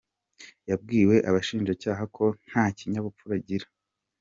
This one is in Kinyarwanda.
Yabwiye abashinjacyaha ko nta kinyabupfura bagira